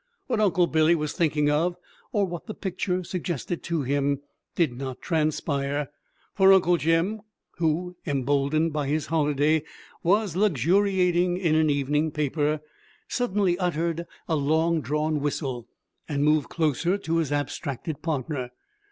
What Uncle Billy was thinking of, or what the picture suggested to him, did not transpire; for Uncle Jim, who, emboldened by his holiday, was luxuriating in an evening paper, suddenly uttered a long drawn whistle, and moved closer to his abstracted partner.